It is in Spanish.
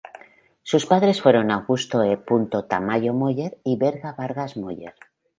Sus padres fueron Augusto E. Tamayo Moller y Berta Vargas Moller.